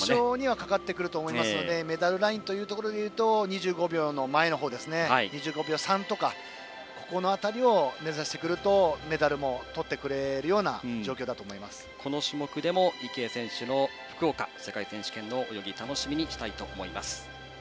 決勝にはかかってくると思いますがメダルラインでいうと２５秒の前の方、２５秒３とかここの辺りを目指してくるとメダルもとってくれるようなこの種目でも池江選手の福岡世界選手権の泳ぎ楽しみにしたいと思います。